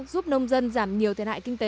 giúp nông dân giảm nhiều thiên hại kinh tế